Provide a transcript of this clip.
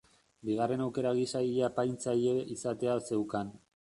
Bigarren aukera gisa ile-apaintzaile izatea zeukan.